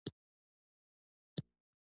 لقبونه ورکړل.